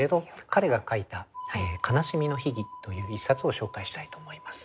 彼が書いた「悲しみの秘義」という一冊を紹介したいと思います。